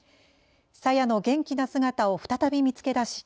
さやの元気な姿を再び見つけ出し